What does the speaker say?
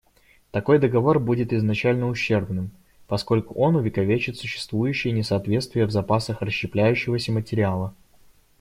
Такой договор будет изначально ущербным, поскольку он увековечит существующее несоответствие в запасах расщепляющегося материала.